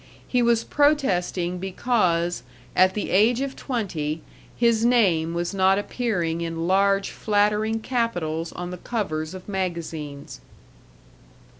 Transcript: He was protesting because, at the age of twenty, his name was not appearing in large flattering capitals on the covers of magazines.